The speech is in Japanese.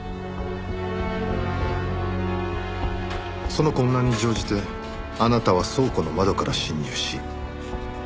その混乱に乗じてあなたは倉庫の窓から侵入し。